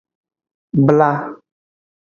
Bla.